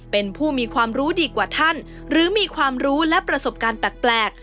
เป็นผู้มีความรู้ดีกว่าท่านหรือมีความรู้และประสบการณ์แปลก